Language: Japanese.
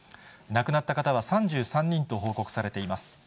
亡くなった方は３３人と報告されています。